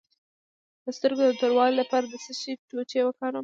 د سترګو د توروالي لپاره د څه شي ټوټې وکاروم؟